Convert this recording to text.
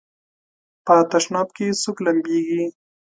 په تشناب کې څوک لمبېږي؟